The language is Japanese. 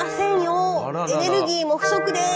「エネルギーも不足です」。